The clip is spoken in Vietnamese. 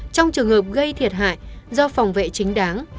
trong trường hợp gây thiệt hại do phòng vệ chính đáng